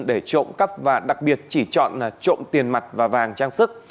để trộm cắp và đặc biệt chỉ chọn trộm tiền mặt và vàng trang sức